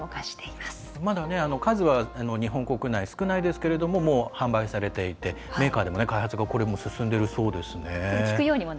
まだ数は日本国内少ないですけれどももう販売されていてメーカーでも開発が進んでいるそうですね。